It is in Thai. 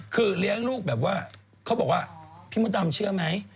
คือเลี้ยงลูกแบบว่าเขาบอกว่าพี่มดดำเชื่อไหม